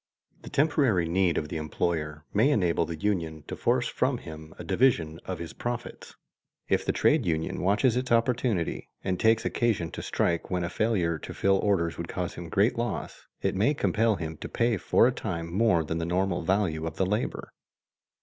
The temporary need of the employer may enable the union to force from him a division of his profits. If the trade union watches its opportunity and takes occasion to strike when a failure to fill orders would cause him great loss, it may compel him to pay for a time more than the normal value of the labor.